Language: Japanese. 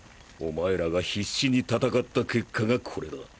お前らが必死に戦った結果がこれだ。